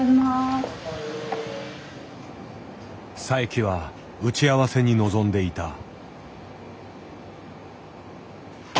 佐伯は打ち合わせに臨んでいた。